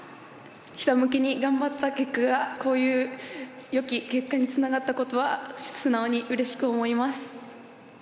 ひたむきに頑張った結果がこういう良き結果につながったことは素直にうれしく思います。